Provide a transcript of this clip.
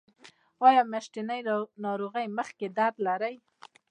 ایا د میاشتنۍ ناروغۍ مخکې درد لرئ؟